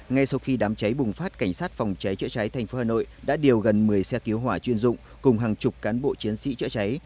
ngay sau khi đám cháy bùng phát cảnh sát phòng cháy chữa cháy thành phố hà nội đã điều gần một mươi xe cứu hỏa chuyên dụng cùng hàng chục cán bộ chiến sĩ chữa cháy